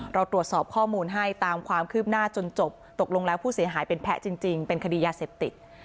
เราตรวจสอบข้อมูลให้ตามความคืบหน้าจนจบตกลงแล้วผู้เสียหายเป็นแพ้จริงเป็นคดียาเสพติด